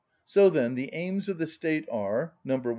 So, then, the aims of the State are— (1.)